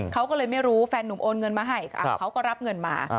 เขาก็เลยไม่รู้แฟนหนุ่มโอนเงินมาให้เขาก็รับเงินมา